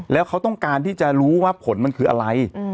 แล้วเขาต้องการที่จะรู้ว่าผลมันคืออะไร